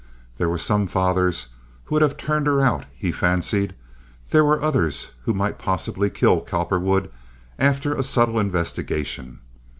There were some fathers who would have turned her out, he fancied. There were others who might possibly kill Cowperwood after a subtle investigation.